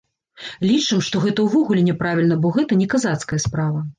Лічым, што гэта ўвогуле няправільна, бо гэта не казацкая справа.